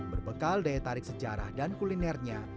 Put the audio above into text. berbekal daya tarik sejarah dan kulinernya